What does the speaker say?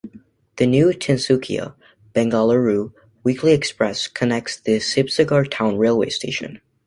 The New Tinsukia - Bengaluru Weekly Express connects the Sibsagar Town railway station.